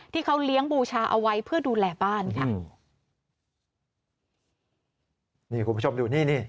ที่เขาเลี้ยงบูแชาไว้เพื่อดูแลบ้านค่ะ